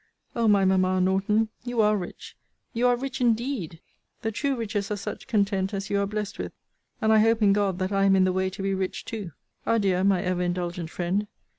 O my mamma Norton, you are rich! you are rich indeed! the true riches are such content as you are blessed with. And I hope in God that I am in the way to be rich too. Adieu, my ever indulgent friend.